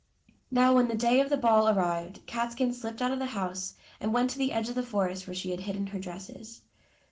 Now when the day of the ball arrived, Catskin slipped out of the house and went to the edge of the forest where she had hidden her dresses.